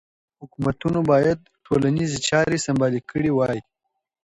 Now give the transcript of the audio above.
حکومتونو باید ټولنیزې چارې سمبالې کړې وای.